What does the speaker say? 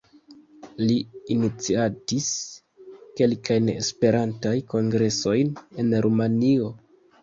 Li iniciatis kelkajn Esperantaj kongresojn en Rumanio.